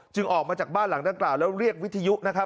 จึงออกมาจากบ้านหลังด้านกล่าวแล้วเรียกวิทยุ